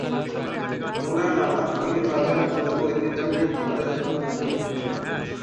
পুরান আনারকলি বাজার মূলত ঐতিহ্যবাহী খাবারের জন্য খ্যাত।